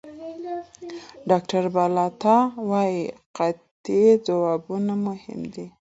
ډاکټر بالاتا وايي قطعي ځوابونه مهم دي.